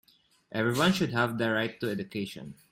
Everyone should have the right to education.